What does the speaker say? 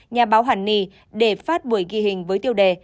nhà báo hàn ni để phát buổi ghi hình với tiêu đề